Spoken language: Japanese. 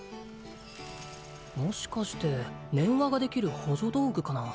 もしかして念話ができる補助道具かな？